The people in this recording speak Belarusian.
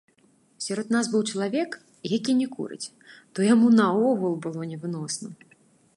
Сярод нас быў чалавек, які не курыць, то яму наогул было невыносна.